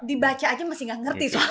dibaca aja masih gak ngerti soalnya